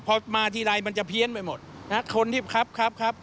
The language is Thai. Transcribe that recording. พอมาทีไรมันจะเพี้ยนไปหมดนะคนที่ครับครับ